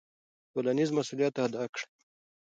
ټولنیز مسوولیت ادا کړئ.